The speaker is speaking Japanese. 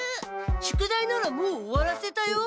宿題ならもう終わらせたよ。